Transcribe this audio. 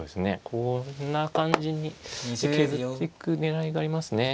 こんな感じに削っていく狙いがありますね。